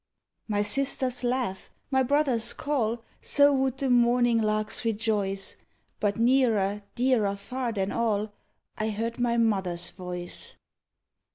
My sister's laugh, my brother's call — So would the morning larks rejoice I But nearer, dearer far than all, I heard my mother's voice.